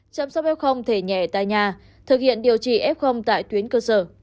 chăm sóc f thể nhẹ tại nhà thực hiện điều trị f tại tuyến cơ sở